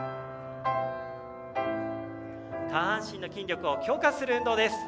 下半身の筋力を強化する運動です。